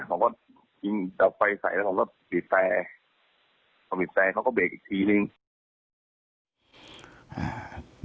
ผมก็กลับไปใส่ผมก็ผิดแสผิดแสเขาก็เบรกอีกทีหนึ่ง